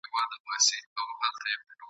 د لوړي پوړۍ ذهني